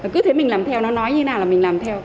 cứ thế mình làm theo nó nói như thế nào là mình làm theo